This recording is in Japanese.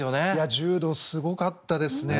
柔道すごかったですよね。